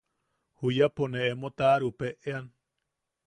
Juyapo ne emo taʼarupeʼean.